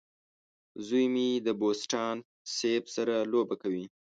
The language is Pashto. زوی مې د بوسټان سیب سره لوبه کوي.